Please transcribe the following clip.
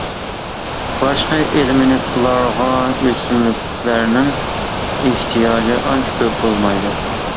باشقا ئېلېمېنتلارغا ئۆسۈملۈكلەرنىڭ ئېھتىياجى ئانچە كۆپ بولمايدۇ.